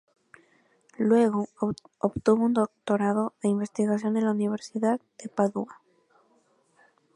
Luego obtuvo un doctorado de investigación en la Universidad de Padua.